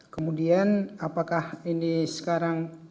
kemudian apakah ini sekarang